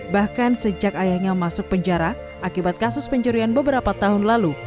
bahkan sejak ayahnya masuk penjara akibat kasus pencurian beberapa tahun lalu